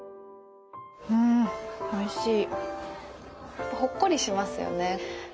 んおいしい。